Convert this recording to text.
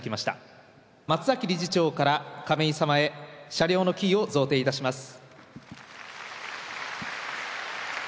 松崎理事長から亀井様へ車両のキーを贈呈いたします。